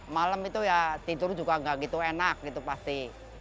malam itu ya tidur juga nggak gitu enak gitu pasti